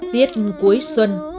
tiết cuối xuân